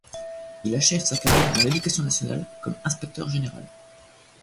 Il achève sa carrière dans l’Éducation nationale comme inspecteur général.